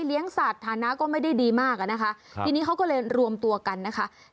สัตว์ฐานะก็ไม่ได้ดีมากอะนะคะทีนี้เขาก็เลยรวมตัวกันนะคะ